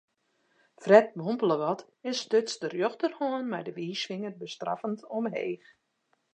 Fred mompele wat en stuts de rjochterhân mei de wiisfinger bestraffend omheech.